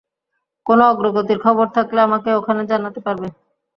কোনো অগ্রগতির খবর থাকলে আমাকে ওখানে জানাতে পারবে।